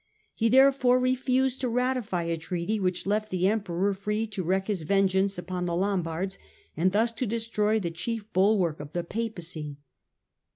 He therefore refused to ratify a treaty which left the Emperor free to wreak his ven geance upon the Lombards and thus to destroy the chief bulwark of the Papacy.